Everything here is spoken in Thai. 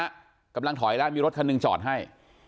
ตอนนั้นกำลังถอยแล้วมีรถคันนึงจอดให้